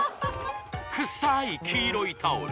臭い黄色いタオル